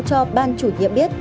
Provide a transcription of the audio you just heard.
cho ban chủ nhiệm biết